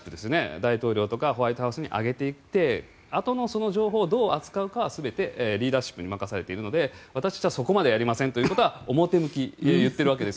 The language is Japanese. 大統領とかホワイトハウスに上げていって、あとの情報をどう扱うかは全てリーダーシップに任されているので私たちはそこまでやりませんということは表向きに行っているわけです。